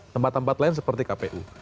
tempat tempat lain seperti kpu